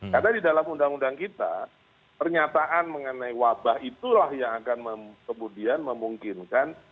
karena di dalam undang undang kita pernyataan mengenai wabah itulah yang akan kemudian memungkinkan